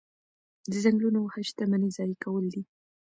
د ځنګلونو وهل شتمني ضایع کول دي.